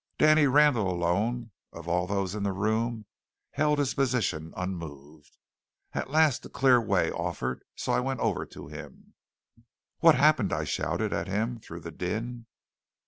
Danny Randall alone of all those in the room held his position unmoved. At last a clear way offered, so I went over to him. "What's happened?" I shouted at him through the din.